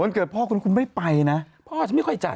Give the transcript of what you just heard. เกิดพ่อคุณคุณไม่ไปนะพ่อฉันไม่ค่อยจัด